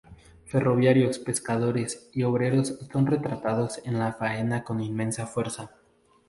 Ferroviarios, pescadores, y obreros son retratados en la faena con inmensa fuerza.